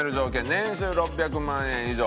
年収６００万円以上。